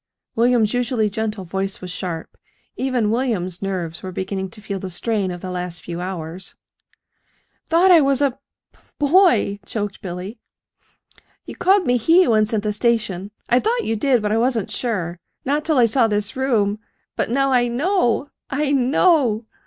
William's usually gentle voice was sharp. Even William's nerves were beginning to feel the strain of the last few hours. "Thought I was a b boy!" choked Billy. "You called me 'he' once in the station I thought you did; but I wasn't sure not till I saw this room. But now I know I know!"